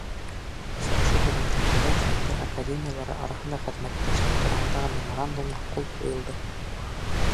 Осрашыу һөҙөмтәһендә Фәндәр академиялары араһында хеҙмәттәшлек тураһындағы меморандумға ҡул ҡуйылды.